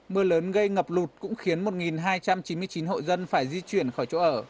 mưa lớn gây ngập lụt cũng khiến một hai trăm chín mươi chín hộ dân phải di chuyển khỏi chỗ ở